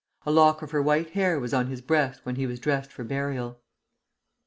A lock of her white hair was on his breast when he was dressed for burial.